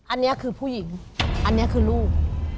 อันนี้คือผู้หญิงอันนี้คือลูก